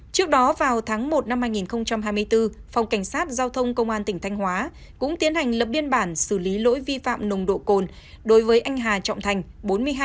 trước đó vào tháng một năm hai nghìn hai mươi bốn phòng cảnh sát giao thông công an tỉnh thanh hóa cũng tiến hành lập biên bản xử lý lỗi vi phạm nồng độ cồn đối với anh hà trọng thành